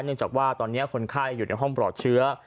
จากว่าตอนนี้คนไข้อยู่ในห้องปลอดเชื้อ